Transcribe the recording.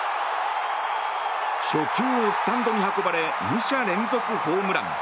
初球をスタンドに運ばれ２者連続ホームラン。